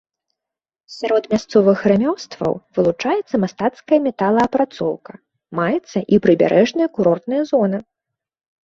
Сярод мясцовых рамёстваў вылучаецца мастацкая металаапрацоўка, маецца і прыбярэжная курортная зона.